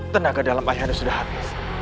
tenaga dalam ayah anda sudah habis